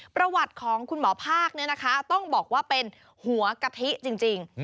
ประวัติของคุณหมอภาคต้องบอกว่าเป็นหัวกะทิจริง